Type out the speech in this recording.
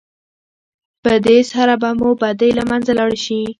په دې سره به مو بدۍ له منځه لاړې شي.